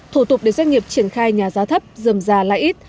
thủ tục để doanh nghiệp triển khai nhà giá thấp dầm già lại ít